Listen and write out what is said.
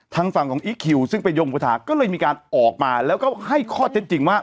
ทางฝั่งของอีคคิวซึ่งไปยงกระถาก็เลยมีการออกมาแล้วก็ให้ข้อเท็จจริงว่า